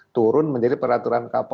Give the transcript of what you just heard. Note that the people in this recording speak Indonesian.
turun menjadi peraturan couple da